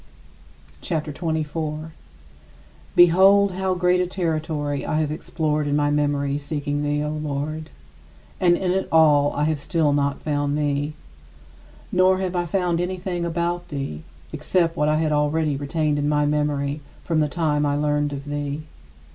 CHAPTER XXIV 35. Behold how great a territory I have explored in my memory seeking thee, O Lord! And in it all I have still not found thee. Nor have I found anything about thee, except what I had already retained in my memory from the time I learned of thee.